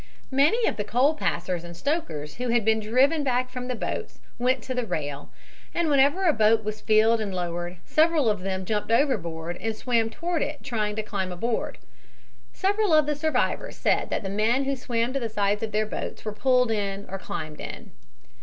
Many of the coal passers and stokers who had been driven back from the boats went to the rail, and whenever a boat was filled and lowered several of them jumped overboard and swam toward it trying to climb aboard. Several of the survivors said that men who swam to the sides of their boats were pulled in or climbed in.